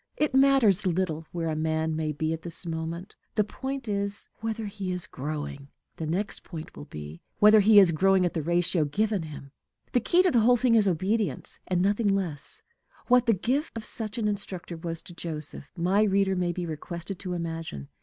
It matters little where a man may be at this moment; the point is whether he is growing. The next point will be, whether he is growing at the ratio given him. The key to the whole thing is obedience, and nothing else. What the gift of such an instructor was to Joseph, my reader may be requested to imagine.